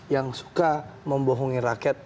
yang suka membohongi rakyat